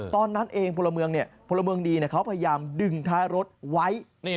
ตอนนั้นเองพลเมืองพลเมืองดีเขาพยายามดึงท้ายรถไว้